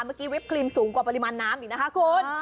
วิปครีมสูงกว่าปริมาณน้ำอีกนะคะคุณ